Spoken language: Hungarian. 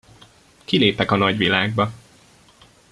Kilépek a nagyvilágba!